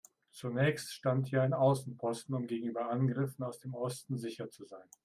Zunächst stand hier ein Außenposten, um gegenüber Angriffen aus dem Osten sicher zu sein.